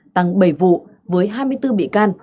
tăng bảy vụ với hai mươi bốn bị can